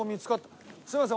すいません